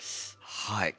はい。